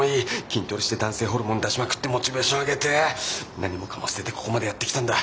筋トレして男性ホルモン出しまくってモチベーション上げて何もかも捨ててここまでやってきたんだ。